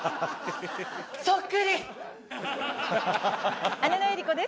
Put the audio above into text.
そっくり！